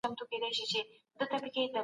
د قانون حاکمیت د هر چا غوښتنه وه.